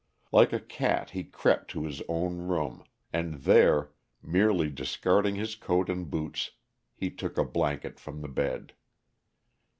Like a cat he crept to his own room, and there, merely discarding his coat and boots, he took a blanket from the bed.